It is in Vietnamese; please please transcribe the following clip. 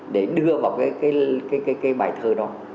để đưa vào cái bài thơ đó